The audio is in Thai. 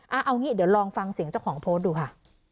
เอางี้เดี๋ยวลองฟังเสียงเจ้าของโพสต์ดูค่ะ